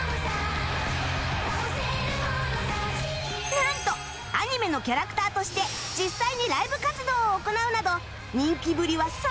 なんとアニメのキャラクターとして実際にライブ活動を行うなど人気ぶりはすさまじく